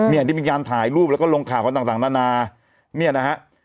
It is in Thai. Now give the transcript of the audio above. เนี่ยได้มีการถ่ายรูปแล้วก็ลงข่าวกันต่างนานาเนี่ยนะฮะ